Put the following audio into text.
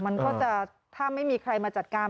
มันก็จะถ้าไม่มีใครมาจัดการ